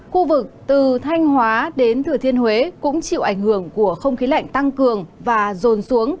khu vực từ thanh hóa đến thừa thiên huế cũng chịu ảnh hưởng của không khí lạnh tăng cường và rồn xuống